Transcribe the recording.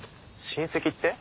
親戚って？